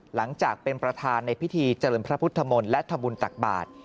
หลังจากเป็นประธานในพิธีเจริญพระพุทธมนตร์และทำบุญตักบาท